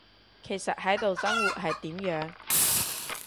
其實喺度生活，係點樣？